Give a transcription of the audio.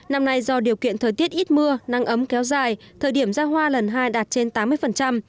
năm nay do điều kiện thời tiết ít mưa nắng ấm kéo dài thời điểm ra hoa lần hai đạt trên tám mươi